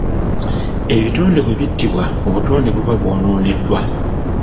Ebitonde bwe bittibwa obutonde buba bwonooneddwa.